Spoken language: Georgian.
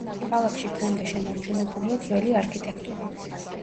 ქალაქში დღემდე შენარჩუნებულია ძველი არქიტექტურა.